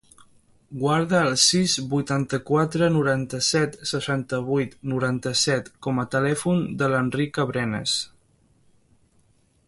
Guarda el sis, vuitanta-quatre, noranta-set, seixanta-vuit, noranta-set com a telèfon de l'Enrique Brenes.